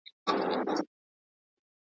ځمکه د میراث له مخې ویشل شوې ده.